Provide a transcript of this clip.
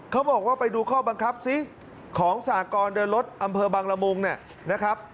เขาบอกว่าไปดูข้อบังคับซิของสากรเดินรถอำเภอบังละมุงเนี่ยนะครับ